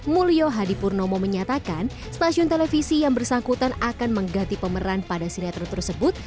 mulyo hadi purnomo menyatakan stasiun televisi yang bersangkutan akan mengganti pemeran pada sinetron tersebut